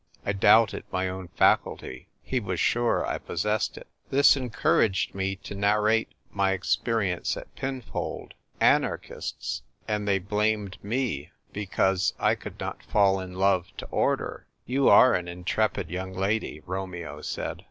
I doubted my own faculty. He was sure I possessed it. T TkV LITKRATUKK. r;! Tliis encouraged me to narrate my ex perience at Pinfold. " Anarchists !— and they blamed me because I could not fall in love to order !" "You are an intrepid young lady," Romeo said.